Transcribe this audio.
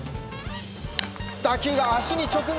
打球が足に直撃！